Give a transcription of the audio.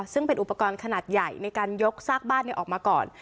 ซึ่งเป็นอุปกรณ์ขนาดใหญ่ในการยกซากบ้านออกมาก่อน